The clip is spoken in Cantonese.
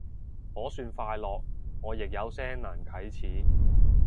可算快樂，我亦有些難啟齒